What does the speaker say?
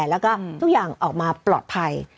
แล้วก็ทุกอย่างออกมาปลอดภัย